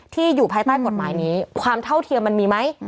อยู่ภายใต้กฎหมายนี้ความเท่าเทียมมันมีไหม